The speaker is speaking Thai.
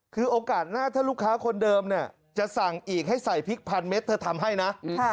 คือโอกาสหน้าถ้าลูกค้าคนเดิมเนี่ยจะสั่งอีกให้ใส่พริกพันเม็ดเธอทำให้นะ